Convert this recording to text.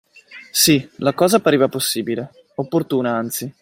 Sì, la cosa appariva possibile, opportuna anzi.